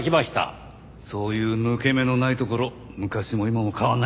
そういう抜け目のないところ昔も今も変わらないですね。